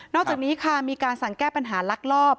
อกจากนี้ค่ะมีการสั่งแก้ปัญหาลักลอบ